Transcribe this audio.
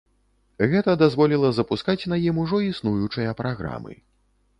Гэта дазволіла запускаць на ім ужо існуючыя праграмы.